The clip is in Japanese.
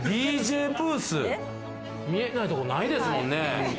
見えないところないですもんね。